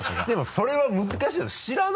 でもそれは難しいでしょ